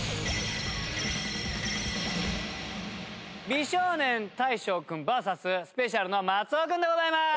美少年大昇君ＶＳＳｐｅｃｉａＬの松尾君でございます。